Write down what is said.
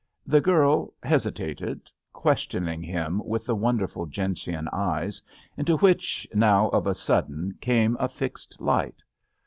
The girl hesi tated, questioning him with the wonderful gentian eyes, into which, now of a sudden, came a fixed light.